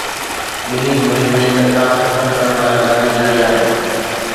ٻنهي ڌرين ۾ تڪرار ختم ڪرڻ لاءِ ڳالهيون جاري آهن